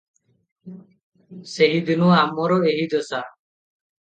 ସେହିଦିନୁ ଆମର ଏହି ଦଶା ।